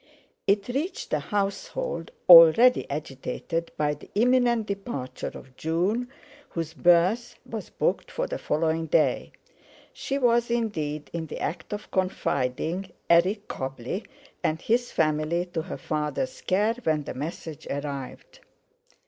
It reached a household already agitated by the imminent departure of June, whose berth was booked for the following day. She was, indeed, in the act of confiding Eric Cobbley and his family to her father's care when the message arrived.